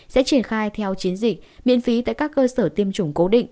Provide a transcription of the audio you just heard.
sẽ triển khai theo chiến dịch miễn phí tại các cơ sở tiêm chủng cố định